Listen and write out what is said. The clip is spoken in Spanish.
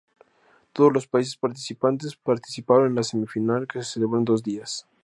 Todos los países participantes participaron en la semifinal que se celebró en dos días.